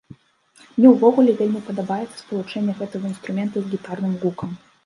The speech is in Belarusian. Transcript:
Мне ўвогуле вельмі падабаецца спалучэнне гэтага інструмента з гітарным гукам.